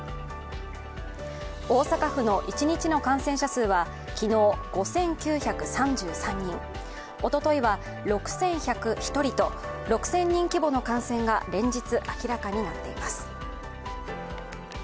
大阪府の一日の感染者数は昨日５９３３人、おとといは６１０１人と６０００人規模の感染が連日明らかになっています。